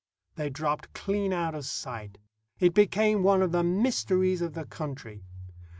They dropped clean out of sight. It became one of the mysteries of the country.